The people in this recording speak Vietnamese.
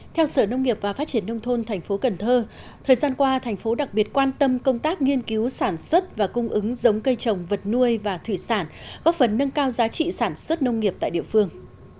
theo sở nông nghiệp và phát triển nông thôn thành phố cần thơ thời gian qua thành phố đặc biệt quan tâm công tác nghiên cứu sản xuất và cung ứng giống cây trồng vật nuôi và thủy sản góp phần nâng cao giá trị sản xuất nông nghiệp tại địa phương